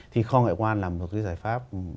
thì kho ngoại quan là một cái giải pháp